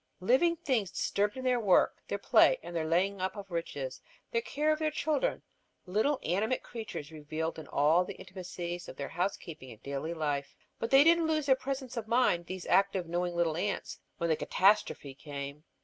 Living things disturbed in their work, their play, their laying up of riches, their care of their children; little animate creatures revealed in all the intimacies of their housekeeping and daily life. But they didn't lose their presence of mind, these active, knowing little ants, when the Catastrophe came.